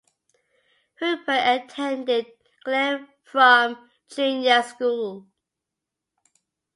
Hooper attended Glenfrome Junior School.